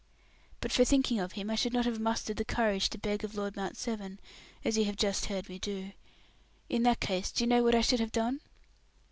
"But for thinking of him I should not have mustered the courage to beg of Lord Mount Severn, as you have just heard me do. In that case do you know what I should have done?"